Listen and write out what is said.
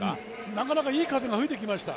なかなかいい風が吹いてきました。